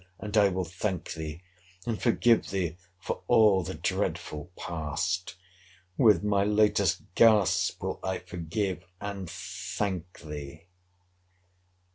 and I will thank thee, and forgive thee for all the dreadful past!—With my latest gasp will I forgive and thank thee!